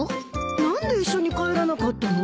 何で一緒に帰らなかったの？